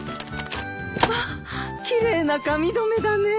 まあ奇麗な髪留めだね。